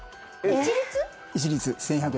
一律１１００円です。